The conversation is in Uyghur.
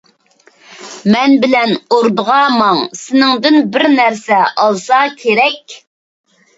مەن بىلەن ئوردىغا ماڭ، سېنىڭدىن بىر نەرسە ئالسا كېرەك.